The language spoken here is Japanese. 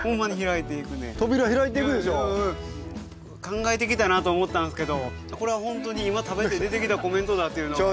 考えてきたなと思ったんですけどこれはほんとに今食べて出てきたコメントだっていうのが。